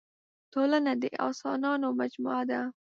ټولنه د اسانانو مجموعه ده.